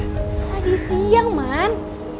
tadi siang man